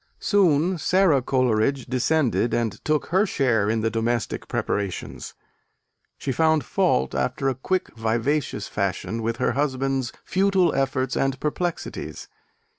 Soon Sara Coleridge descended and took her share in the domestic preparations. She found fault, after a quick vivacious fashion, with her husband's futile efforts and perplexities.